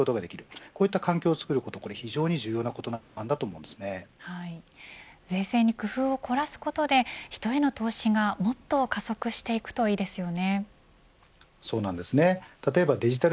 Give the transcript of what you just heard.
こういった環境を作ることが税制に工夫を凝らすことで人への投資がもっと加速していくといいですよね。